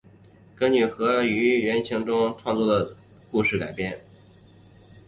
根据和于原创电影中创作的角色故事改编。